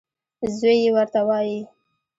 زوی یې ورته وايي .